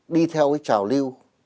đi theo cái trào lưu